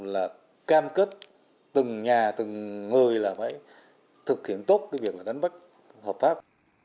là cam kết từng nhà từng người là phải thực hiện tốt cái việc là đánh bắt hợp pháp